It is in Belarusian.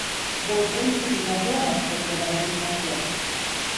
Бо, у прынцыпе, вядома што трэба рабіць найперш.